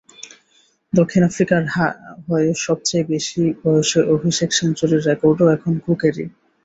দক্ষিণ আফ্রিকার হয়ে সবচেয়ে বেশি বয়সে অভিষেক সেঞ্চুরির রেকর্ডও এখন কুকেরই।